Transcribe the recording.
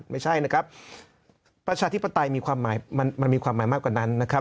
ไม่ใช่นะครับประชาธิปไตยมีความหมายมากกว่านั้นนะครับ